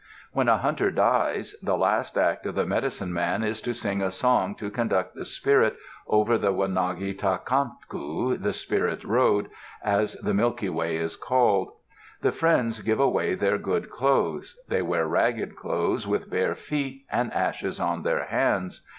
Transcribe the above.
When a hunter dies, the last act of the medicine man is to sing a song to conduct the spirit over the wanagi tacanku, the spirit's road, as the Milky Way is called. The friends give away their good clothes. They wear ragged clothes, with bare feet, and ashes on their hands.